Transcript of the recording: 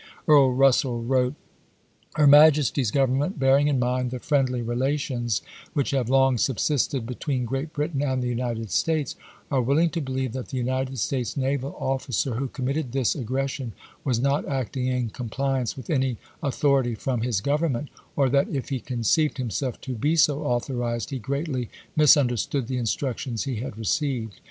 Earl Russell wrote : Her Majesty's Government, bearing in mind the friend ly relations which have long subsisted between Great Britain and the United States, are willing to believe that the United States naval of&cer who committed this ag gression was not acting in compliance with any author ity from his Government, or that, if he conceived himself to be so authorized, he greatly misunderstood the instruc tions he had received.